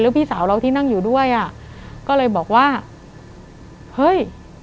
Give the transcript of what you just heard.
พี่สาวเราที่นั่งอยู่ด้วยอ่ะก็เลยบอกว่าเฮ้ย